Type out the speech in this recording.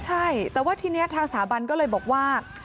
ใช่แต่ว่าทีนี้ทางสถาบันก็เลยบอกว่า